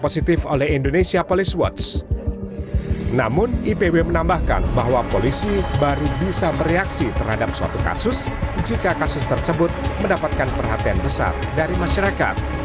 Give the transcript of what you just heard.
ketika terjadi keadaan yang teruk